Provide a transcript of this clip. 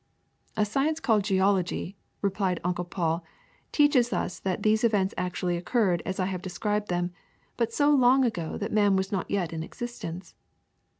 ^^A science called geology," replied Uncle Paul, ^^ teaches us that these events actually occurred as I have described them, but so long ago that man was not yet in existence.